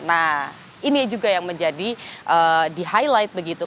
nah ini juga yang menjadi di highlight begitu